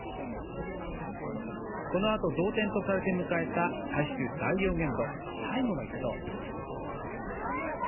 このあと同点とされて迎えた最終第４エンド、最後の１投。